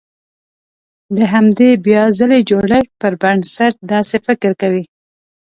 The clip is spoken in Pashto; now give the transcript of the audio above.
د همدې بيا ځلې جوړښت پر بنسټ داسې فکر کوي.